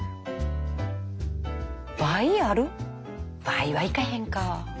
倍はいかへんか。